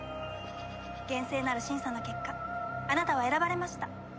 厳正なる審査の結果あなたは選ばれました。